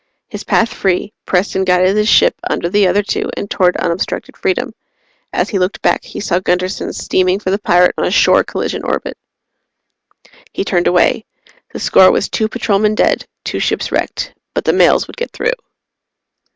His path free, Preston guided his ship under the other two and toward unobstructed freedom. As he looked back, he saw Gunderson steaming for the pirate on a sure collision orbit. He turned away. The score was two Patrolmen dead, two ships wrecked but the mails would get through.